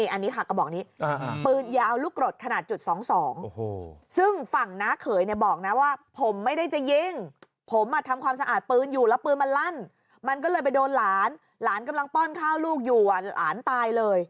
โอ้โหนี่อันนี้ค่ะกระบอกนี้